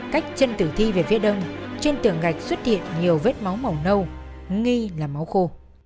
cách chân tử thi về phía đông trên tường gạch xuất hiện nhiều vết máu mỏng nâu nghi là máu khô